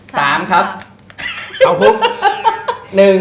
ห้าครับต้องเป็นต้นพิวัตร